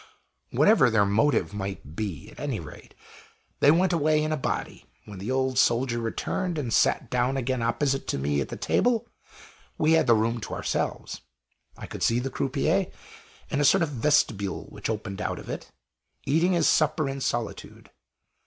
Whatever their motive might be, at any rate they went away in a body. When the old soldier returned, and sat down again opposite to me at the table, we had the room to ourselves. I could see the croupier, in a sort of vestibule which opened out of it, eating his supper in solitude.